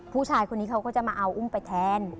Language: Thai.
ผู้ชายคนนี้เขาก็จะมาเอาอุ้มไปแทน